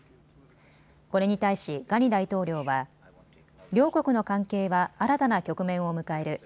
これに対しガニ大統領は両国の関係は新たな局面を迎える。